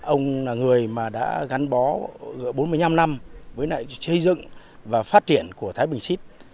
ông là người mà đã gắn bó bốn mươi năm năm với xây dựng và phát triển của thái bình xít